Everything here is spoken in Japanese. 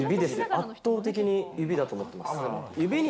圧倒的に指だと思ってます。